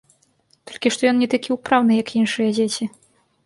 Толькі што ён не такі ўпраўны, як іншыя дзеці.